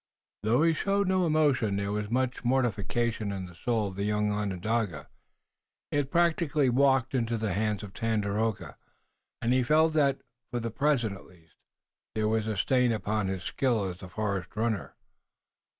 Though he showed no emotion there was much mortification in the soul of the young Onondaga. He had practically walked into the hands of Tandakora, and he felt that, for the present, at least, there was a stain upon his skill as a forest runner.